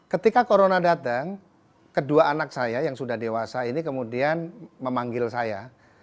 ketika corona datang kedua anak saya yang sudah dewasa ini kemudian memanggil saya